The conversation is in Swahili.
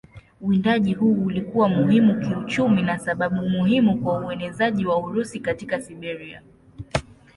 Uwindaji huu ulikuwa muhimu kiuchumi na sababu muhimu kwa uenezaji wa Urusi katika Siberia.